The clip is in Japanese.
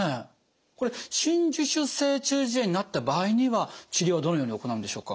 これ真珠腫性中耳炎になった場合には治療はどのように行うんでしょうか？